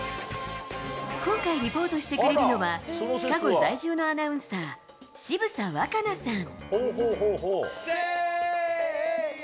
今回リポートしてくれるのは、シカゴ在住のアナウンサー、渋佐和佳奈さん。